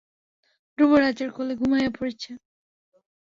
ধ্রুব রাজার কোলে ঘুমাইয়া পড়িয়াছে।